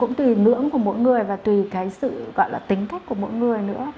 cũng tùy ngưỡng của mỗi người và tùy cái sự gọi là tính cách của mỗi người nữa